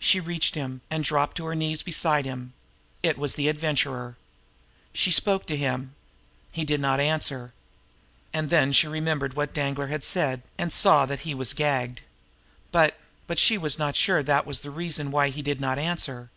She reached him, and dropped on her knees beside him. It was the Adventurer. She spoke to him. He did not answer. And then she remembered what Danglar had said, and she saw that he was gagged. But but she was not sure that was the reason why he did not answer.